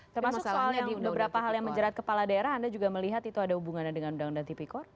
termasuk soal beberapa hal yang menjerat kepala daerah anda juga melihat itu ada hubungannya dengan undang undang tipikor